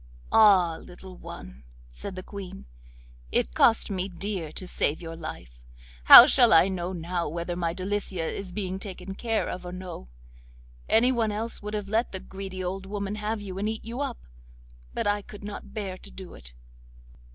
'Ah! little one,' said the Queen, 'it cost me dear to save your life. How shall I know now whether my Delicia is being taken care of or no? Anyone else would have let the greedy old woman have you, and eat you up, but I could not bear to do it.